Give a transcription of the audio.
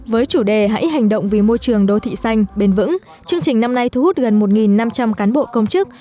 với chủ đề hãy hành động vì môi trường đô thị xanh bền vững chương trình năm nay thu hút gần một năm trăm linh cán bộ công chức